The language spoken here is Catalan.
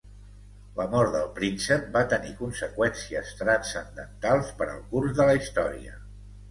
La mort del príncep va tenir conseqüències transcendentals per al curs de la història.